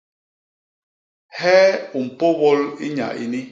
Hee u mpôbôl i nya ini?